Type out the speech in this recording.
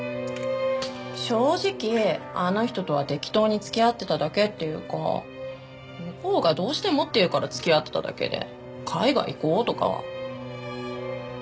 正直あの人とは適当に付き合ってただけっていうか向こうがどうしてもっていうから付き合ってただけで海外行こうとかは。